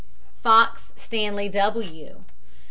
FOX, STANLEY W.